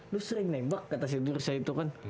lo sering nembak kata si jurus saya itu kan